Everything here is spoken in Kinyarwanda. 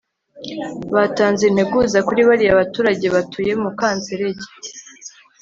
batanze integuza kuri bariya baturage batuye mu kanserege